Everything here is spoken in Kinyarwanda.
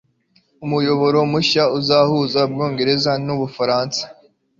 umuyoboro mushya uzahuza ubwongereza n'ubufaransa